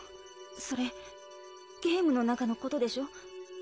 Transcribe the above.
それゲームの中のことでしょ？